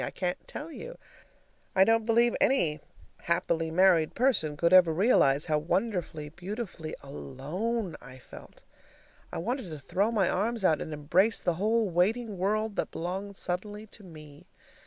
I can't tell you; I don't believe any happily married person could ever realize how wonderfully, beautifully ALONE I felt. I wanted to throw my arms out and embrace the whole waiting world that belonged suddenly to me.